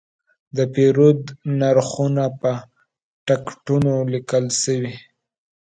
د پیرود نرخونه په ټکټونو لیکل شوي.